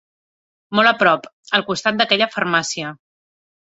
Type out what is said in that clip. Molt a prop. Al costat d'aquella farmàcia.